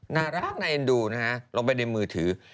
น่ารักน่าเอ็นดูนะฮะลงไปในมือถือ